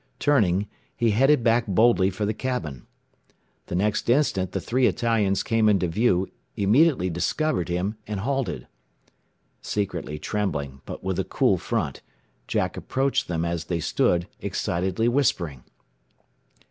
Turning, he headed back boldly for the cabin. The next instant the three Italians came into view, immediately discovered him, and halted. Secretly trembling, but with a cool front, Jack approached them as they stood, excitedly whispering.